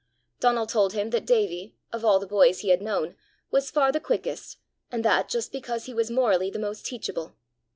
Donal told him that Davie, of all the boys he had known, was far the quickest, and that just because he was morally the most teachable.